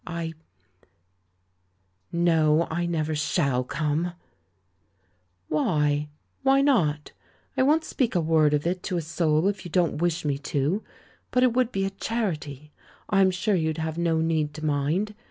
I No, I never shall cornel" "Why? Why not? I won't speak a word of it to a soul if you don't wish me to ; but it would be a charity — I'm sure you'd have no need to mind.